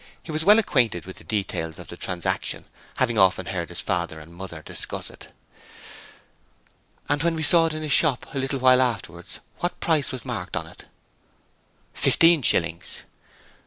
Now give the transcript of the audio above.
He was well acquainted with the details of the transaction, having often heard his father and mother discuss it. 'And when we saw it in his shop window a little while afterwards, what price was marked on it?' 'Fifteen shillings.'